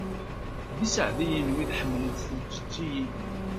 D iseɛdiyen wid i iḥemmlen tjeǧǧigin.